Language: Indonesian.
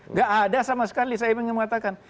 nggak ada sama sekali saya ingin mengatakan